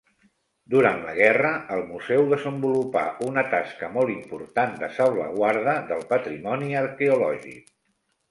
Durant la guerra, el museu desenvolupà una tasca molt important de salvaguarda del patrimoni arqueològic.